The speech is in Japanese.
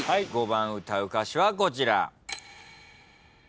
５番歌う歌詞はこちら。